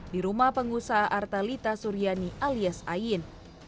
di rumah pengusaha artalita suryani alias ayin